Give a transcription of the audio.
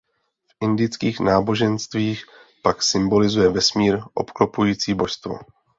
V indických náboženstvích pak symbolizuje vesmír obklopující božstvo.